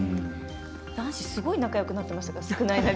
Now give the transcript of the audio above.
男子すごい仲よくなってましたから。